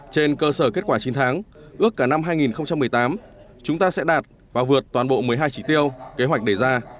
trên cơ sở kết quả chín tháng ước cả năm hai nghìn một mươi tám chúng ta sẽ đạt và vượt toàn bộ một mươi hai chỉ tiêu kế hoạch đề ra